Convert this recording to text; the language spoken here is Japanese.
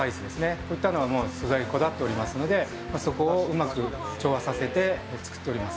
こういったものは素材にこだわっていますのでそこをうまく調和させて作っております。